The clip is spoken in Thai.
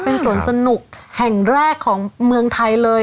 เป็นสวนสนุกแห่งแรกของเมืองไทยเลย